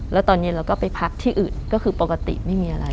แล้วตอนเย็นเราก็ไปพักที่อื่นก็คือปกติไม่มีอะไร